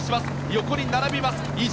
横に並びます。